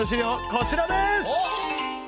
こちらです！